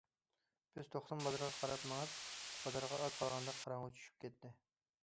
بىز توقسۇن بازىرىغا قاراپ مېڭىپ بازارغا ئاز قالغاندا قاراڭغۇ چۈشۈپ كەتتى.